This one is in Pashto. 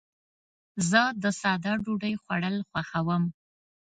زه د ساده ډوډۍ خوړل خوښوم.